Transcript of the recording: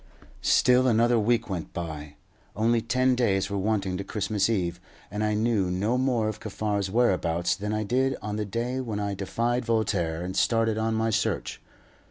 Still another week went by. Only ten days were wanting to Christmas Eve, and I knew no more of Kaffar's whereabouts than I did on the day when I defied Voltaire and started on my search.